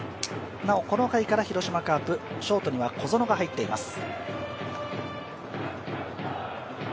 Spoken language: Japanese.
なお、この回から広島カープ、ショートには小園が入っています。